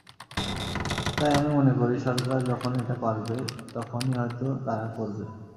তাই আমি মনে করি, সরকার যখন এটা পারবে, তখনই হয়তো তারা করবে।